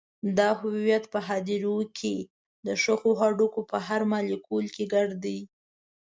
دا هویت په هدیرو کې د ښخو هډوکو په هر مالیکول کې ګډ دی.